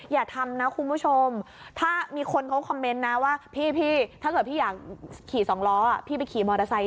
อย่าทำนะคุณผู้ชมถ้ามีคนเขาคอมเมนต์นะว่าพี่ถ้าเกิดพี่อยากขี่สองล้อพี่ไปขี่มอเตอร์ไซค